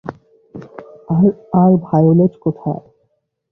আর Violet কোথায়?